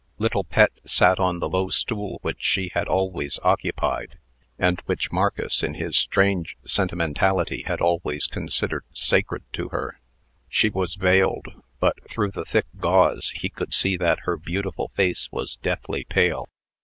Little Pet sat on the low stool which she had always occupied, and which Marcus, in his strange sentimentality, had always considered sacred to her. She was veiled; but, through the thick gauze, he could see that her beautiful face was deathly pale.